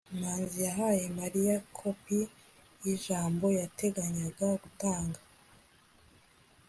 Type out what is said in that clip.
manzi yahaye mariya kopi yijambo yateganyaga gutanga